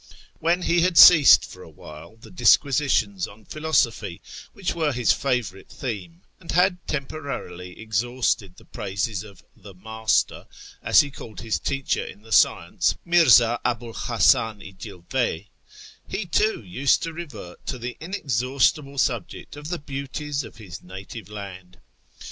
When he had ceased for a while the disquisitions on philosophy which were his favourite theme, and had temporarily exhausted the praises of " the Master," as he called his teacher in the science, Mirza Abu 'l Hasan i Jilvc, he, too, used to revert to the inexhaustible subject of the beauties of his native land.